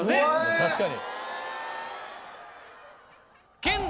確かに！